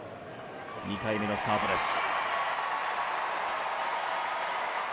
２回目のスタートです。